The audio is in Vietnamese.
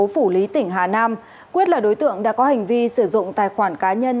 nguyễn kiên quyết là đối tượng đã có hành vi sử dụng tài khoản cá nhân